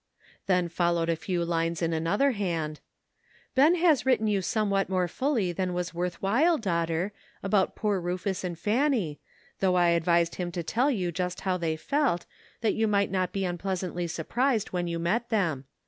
Then followed a few lines in another hand :" Ben has written you somewhat more fully than was worth while, daughter, about poor Rufus and Fanny, though I advised 270 MACHINES AND NEWS. him to tell you just how they felt, that you might not be un pleasantly surprised when you met them.